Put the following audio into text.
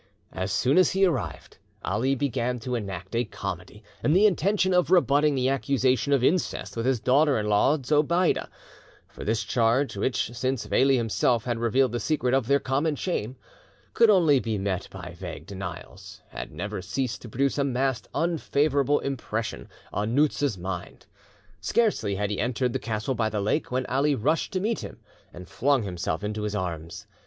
As soon as he arrived, Ali began to enact a comedy in the intention of rebutting the accusation of incest with his daughter in law Zobeide; for this charge, which, since Veli himself had revealed the secret of their common shame, could only be met by vague denials, had never ceased to produce a mast unfavourable impression on Noutza's mind. Scarcely had he entered the castle by the lake, when Ali rushed to meet him, and flung himself into his arms.